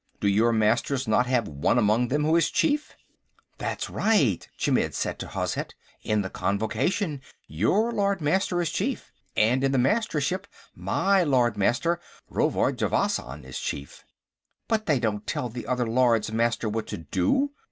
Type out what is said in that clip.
Do your Masters not have one among them who is chief?" "That's right," Chmidd said to Hozhet. "In the Convocation, your Lord Master is chief, and in the Mastership, my Lord Master, Rovard Javasan, is chief." "But they don't tell the other Lords Master what to do.